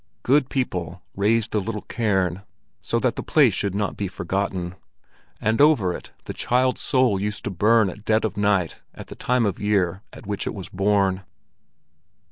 Good people raised the little cairn, so that the place should not be forgotten; and over it the child's soul used to burn at dead of night at the time of year at which it was born.